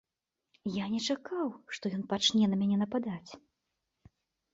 Я не чакаў, што ён пачне на мяне нападаць.